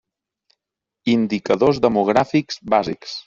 Indicadors Demogràfics Bàsics.